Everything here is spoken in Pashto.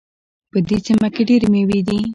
په دې سیمه کې ډېري میوې دي